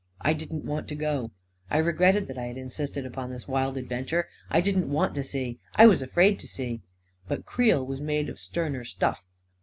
I didn't want to go. I regretted that I had insisted upon this wild adventure. I didn't want to see — I was afraid to see ... But Creel was made of sterner stuff.